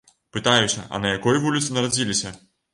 Пытаюся, а на якой вуліцы нарадзіліся.